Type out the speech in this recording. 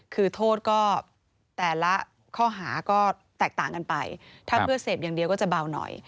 คือโทษก็แต่ละข้อหาก็แตกต่างกันไปถ้าเพื่อเสพอย่างเดียวก็จะเบาหน่อย